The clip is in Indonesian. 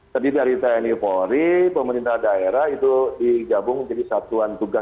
tadi dari tni polri pemerintah daerah itu digabung jadi satuan tugas kabupaten bogor